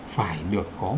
phải được khống chế